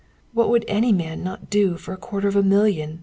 "What would not any man do for a quarter of a million?"